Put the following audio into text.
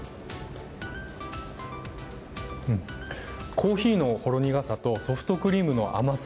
コーヒーのほろ苦さとソフトクリームの甘さ。